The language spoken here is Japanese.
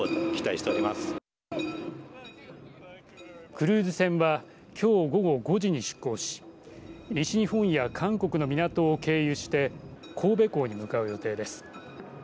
クルーズ船はきょう午後５時に出港し西日本や韓国の港を経由して神戸港に向かう予定です。